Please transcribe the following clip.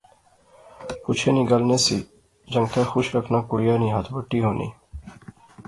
پچھے نی گل نہسی، جنگتے خوش رکھنا کڑیا نی ہتھ بٹی ہونی